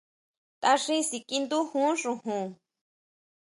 Taʼxín síkiʼindujun xojon.